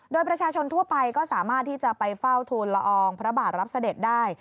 โดยประชาชนทั่วไปก็สามารถที่จะไปเฝ้าทูลละอองพระบาทรับเสด็จได้